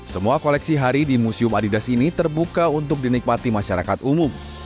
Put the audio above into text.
semua koleksi hari di museum adidas ini terbuka untuk dinikmati masyarakat umum